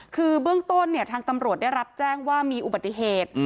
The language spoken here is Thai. คือเบื้องต้นทางตำรวจได้รับแจ้งว่ามีอุบัติเหตุ